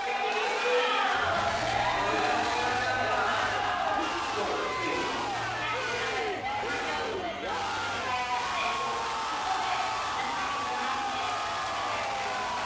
クラスで仲良くなりましょうみたいな食事会があってそこで話しかけてもらって仲良くなりました。